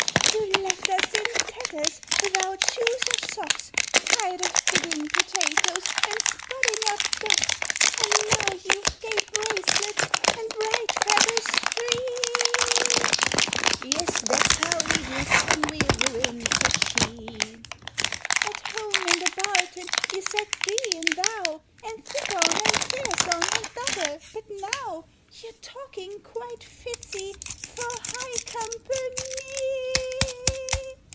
—"You left us in tatters, without shoes or socks, Tired of digging potatoes, and spudding up docks; And now you've gay bracelets and bright feathers three!"— "Yes: that's how we dress when we're ruined," said she. —"At home in the barton you said 'thee' and 'thou,' And 'thik oon,' and 'theäs oon,' and 't'other'; but now Your talking quite fits 'ee for high compa ny!"